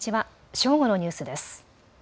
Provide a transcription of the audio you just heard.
正午のニュースです。